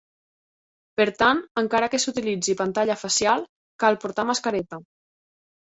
Per tant, encara que s'utilitzi pantalla facial, cal portar mascareta.